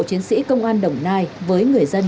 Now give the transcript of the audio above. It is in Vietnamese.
chiến sĩ công an đồng nai với người dân